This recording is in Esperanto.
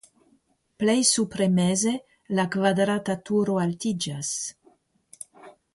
Plej supre meze la kvadrata turo altiĝas.